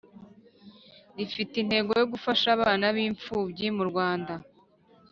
rifite intego yo gufasha abana b impfubyi mu Rwanda